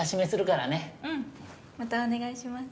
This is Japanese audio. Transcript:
うんまたお願いします。